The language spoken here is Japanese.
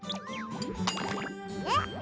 えっ？